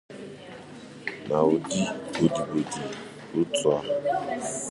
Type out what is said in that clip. Na ụdị odibo dị otu a